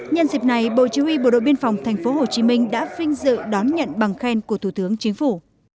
nhân dịp này bộ chỉ huy bộ đội biên phòng tp hcm đã vinh dự đón nhận bằng khen của thủ tướng chính phủ